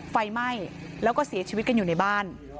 ไฟไหม้แล้วก็เสียชีวิตกันอยู่ในบ้าน